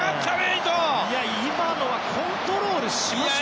今のはコントロールしましたよね。